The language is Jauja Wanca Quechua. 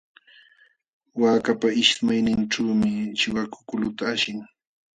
Waakapa ismayninćhuumi chiwaku kuluta ashin.